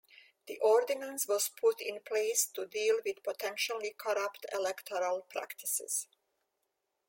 The ordinance was put in place to deal with potentially corrupt electoral practices.